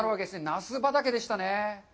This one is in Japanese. ナス畑でしたね。